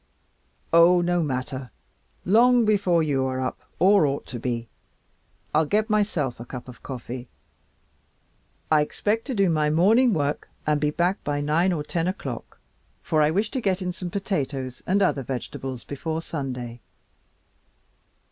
"Oh, no matter; long before you are up or ought to be. I'll get myself a cup of coffee. I expect to do my morning work and be back by nine or ten o'clock for I wish to get in some potatoes and other vegetables before Sunday."